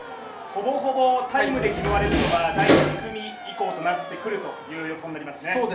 ほぼほぼタイムで拾われるのは第２組以降となる予想になっています。